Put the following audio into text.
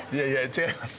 違います。